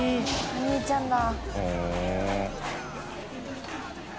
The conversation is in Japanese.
お兄ちゃんだ。